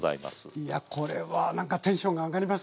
いやこれはなんかテンションが上がりますね。